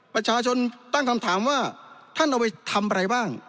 ประชาชนตั้งคำถามว่าท่านเอาไปทำอะไรบ้าง